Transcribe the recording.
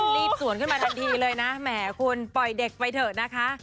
รีบสวนขึ้นมาทันทีเลยนะแหมคุณปล่อยเด็กไปเถอะนะคะ